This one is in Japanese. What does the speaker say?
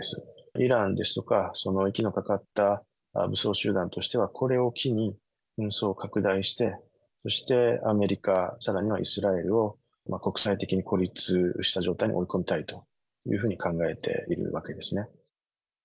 イランですとか、その息のかかった武装集団としては、これを機に紛争を拡大して、そしてアメリカ、さらにはイスラエルを国際的に孤立した状態に追い込みたいというふうに考えているわけですね。